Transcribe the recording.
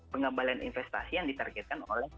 pengembalian investasi yang ditargetkan oleh